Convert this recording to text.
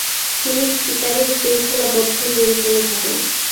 তিনি স্পিকারের শৃঙ্খলাবদ্ধ নিয়ন্ত্রণে থাকেন।